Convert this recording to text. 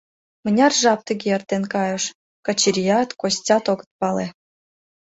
Мыняр жап тыге эртен кайыш — Качырият, Костят огыт пале.